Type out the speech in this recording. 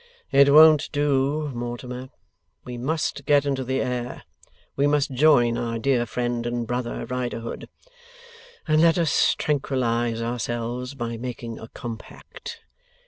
'It won't do, Mortimer. We must get into the air; we must join our dear friend and brother, Riderhood. And let us tranquillize ourselves by making a compact.